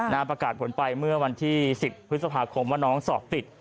ประกาศผลไปเมื่อวันที่๑๐พฤษภาคมว่าน้องสอบติด